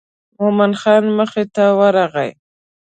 مومن خان مخې ته ورغی.